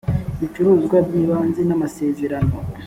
ibicuruzwa by ibanze n amasezerano